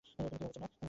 তুমি কীভাবে চেনো?